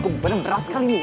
kok bener berat sekali ini